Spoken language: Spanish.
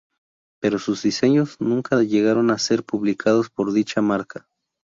Pero sus "diseños" nunca llegaron a ser publicados por dicha marca.